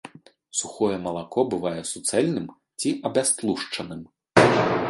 Сухое малако бывае суцэльным ці абястлушчаным.